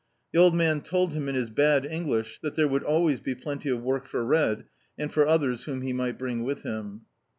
The old man told him, in his bad English, that there would al ways be plenty of work for Red, and for others whom he mi^t bring with him.